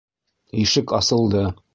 Ишек асылды.